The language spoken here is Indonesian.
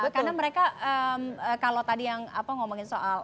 karena mereka kalau tadi yang ngomongin soal